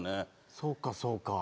そうかそうか。